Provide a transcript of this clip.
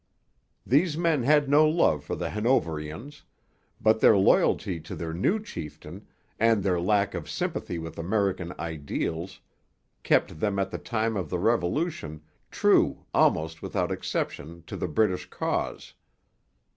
These men had no love for the Hanoverians; but their loyalty to their new chieftain, and their lack of sympathy with American ideals, kept them at the time of the Revolution true almost without exception to the British cause.